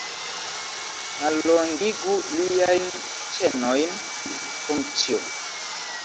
Mallongigu liajn ĉenojn, Fomĉjo!